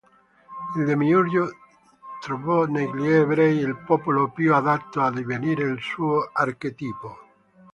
Il demiurgo trovò negli Ebrei il popolo più adatto a divenire il suo archetipo".